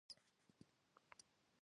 私はあなたの友達です